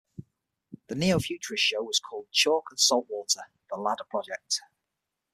The Neo-Futurist show was called "Chalk and Saltwater: The Ladder Project".